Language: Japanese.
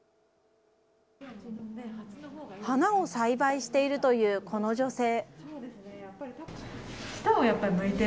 花を栽培しているというこの女性。